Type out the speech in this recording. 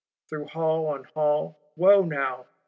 Through hall on hall: wo, now!